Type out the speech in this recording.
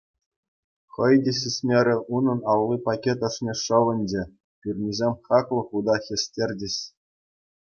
Хӑй те сисмерӗ, унӑн алли пакет ӑшне шӑвӑнчӗ, пӳрнисем хаклӑ хута хӗстерчӗҫ.